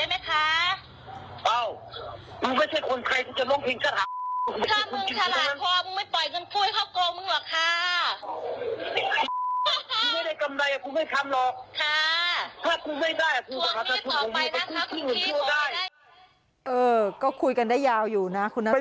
เออก็คุยกันได้ยาวอยู่นะคุณหน้าที